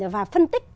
và phân tích